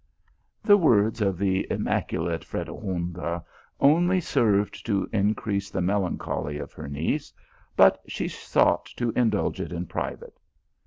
The words of the immaculate Fredegonda only served to increase the melancholy of her niece, but she sought to indulge it in private.